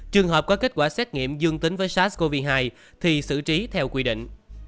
trường hợp có kết quả xét nghiệm dương tính với sars cov hai thì xử trí theo quy định